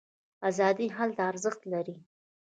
ازادي هلته ارزښت لري.